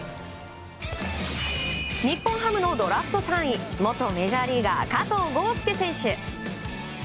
日本ハムのドラフト３位元メジャーリーガー加藤豪将選手。